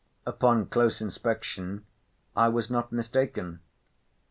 Upon close inspection I was not mistaken.